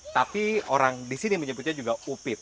tapi orang di sini menyebutnya juga upit